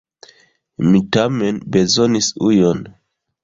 Mi tamen bezonis ujon.